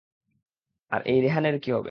আর এই রেহান এর কি হবে?